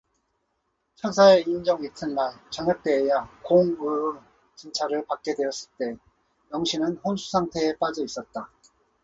천사의 임종 이튿날 저녁때에야 공의의 진찰을 받게 되었을 때 영신은 혼수상태에 빠져 있었다.